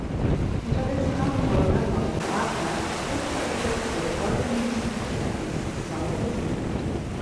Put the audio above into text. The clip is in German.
Unter dessen Nachfolger Norbert Wagner rückte er jedoch zur folgenden Spielzeit ins zweite Glied.